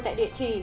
tại địa chỉ